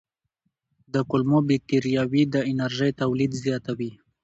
د کولمو بکتریاوې د انرژۍ تولید زیاتوي.